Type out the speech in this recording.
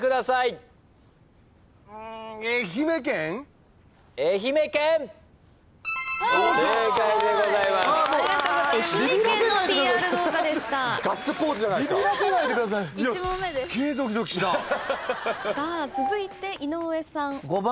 さあ続いて井上さん。